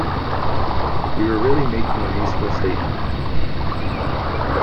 We were really making a musical statement.